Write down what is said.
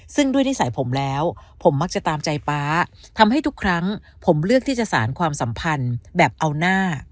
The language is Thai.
ซึ่งด้วยนิสัยผมแล้วผมมักจะตามใจป๊าทำให้ทุกครั้งผมเลือกที่จะสารความสัมพันธ์แบบเอาหน้า